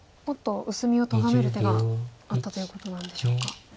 もっと薄みをとがめる手があったということなんでしょうか。